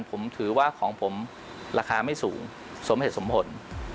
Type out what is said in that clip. ผมถือว่าของผมราคาไม่สูงสมเหตุสมผล